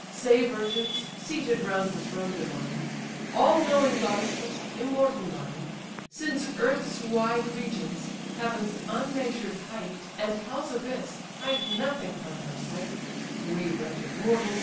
Say, virgins, seated round the throne divine, All knowing goddesses! immortal nine! Since earth's wide regions, heaven's umneasur'd height, And hell's abyss, hide nothing from your sight, (We, wretched mortals!